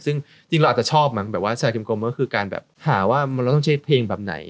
ซึ่งจริงเราอาจจะชอบมั้งแบบว่าชายกลมก็คือการแบบหาว่าเราต้องใช้เพลงแบบไหน